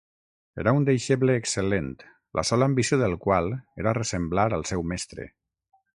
Era un deixeble excel·lent, la sola ambició del qual era ressemblar al seu mestre.